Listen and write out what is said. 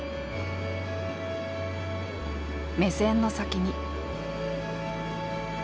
目線の先に。